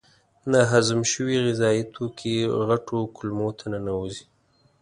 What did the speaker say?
ناهضم شوي غذایي توکي غټو کولمو ته ننوزي.